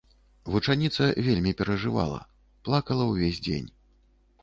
Вучаніца вельмі перажывала, плакала ўвесь дзень.